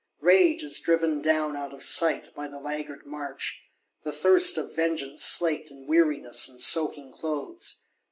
Rage is driven down out of sight, by the laggard march; the thirst of vengeance slaked in weariness and soaking clothes.